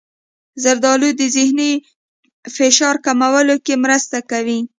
زردالو د ذهني فشار کمولو کې مرسته کوي.